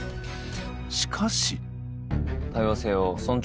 しかし。